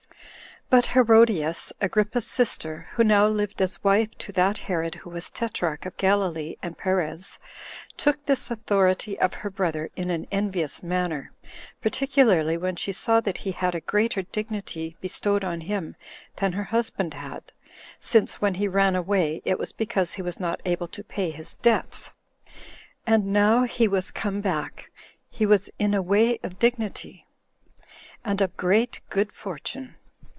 1. But Herodias, Agrippa's sister, who now lived as wife to that Herod who was tetrarch of Galilee and Peres, took this authority of her brother in an envious manner, particularly when she saw that he had a greater dignity bestowed on him than her husband had; since, when he ran away, it was because he was not able to pay his debts; and now he was come back, he was in a way of dignity, and of great good fortune.